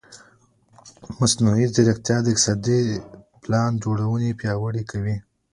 مصنوعي ځیرکتیا د اقتصادي پلان جوړونه پیاوړې کوي.